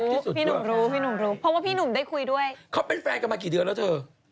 พี่หนุ่มรู้พี่หนุ่มรู้เพราะว่าพี่หนุ่มได้คุยด้วยเขาเป็นแฟนกันมากี่เดือนแล้วเธอ